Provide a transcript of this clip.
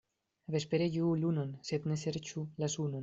Vespere ĝuu lunon, sed ne serĉu la sunon.